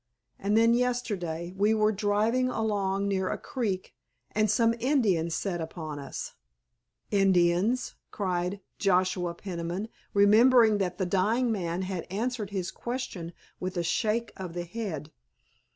And then yesterday we were driving along near a creek and some Indians set upon us——" "Indians?" cried Joshua Peniman, remembering that the dying man had answered his question with a shake of the head.